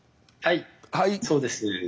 はいそうですね。